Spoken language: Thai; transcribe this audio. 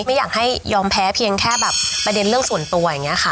ไม่อยากให้ยอมแพ้เพียงแค่แบบประเด็นเรื่องส่วนตัวอย่างนี้ค่ะ